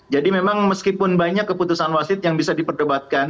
jadi memang meskipun banyak keputusan wasit yang bisa diperdebatkan